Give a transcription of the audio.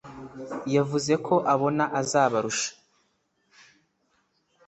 yavuze ko abona azabarusha